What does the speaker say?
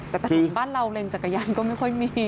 แต่ถนนบ้านเราเลนจักรยานก็ไม่ค่อยมี